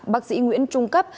bác sĩ nguyễn trung cấp